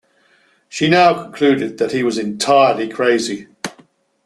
She now concluded that he was entirely crazy.